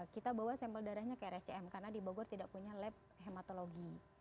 kita bawa sampel darahnya ke rscm karena di bogor tidak punya lab hematologi